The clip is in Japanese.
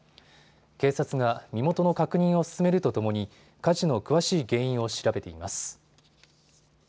警察が身元の確認を進めるとともに火事の詳しい原因を調べています。